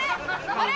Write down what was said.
あれ？